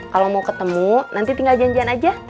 kalau mau ketemu nanti tinggal janjian aja